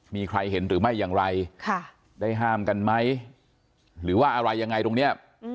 มีใครเห็นหรือไม่อย่างไรได้ห้ามกันไหมหรือว่าอะไรยังไงตรงนี้